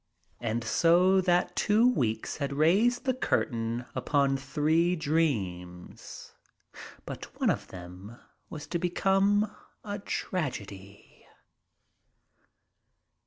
And so that two weeks had raised the curtain upon three dreams, but one of them was to become a tragedy.